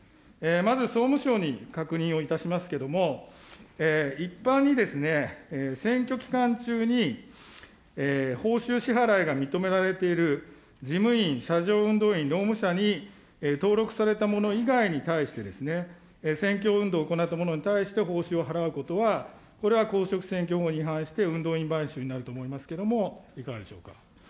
まず総務省に確認をいたしますけども、一般に選挙期間中に、報酬支払いが認められている事務員、車上運動員、労務者に登録された者以外に対してですね、選挙運動を行ったものに対して、報酬を払うことは、これは公職選挙法に違反して、運動員買収になると思いますけども、いかがでしょうか。